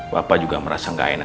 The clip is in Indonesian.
kalau kena aku ini